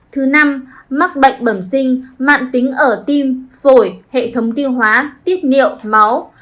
thứ năm mắc bệnh bẩm sinh mạng tính ở tim phổi hệ thống tiêu hóa tiết niệu máu